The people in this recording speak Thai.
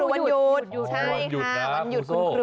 วันยุดคุณครู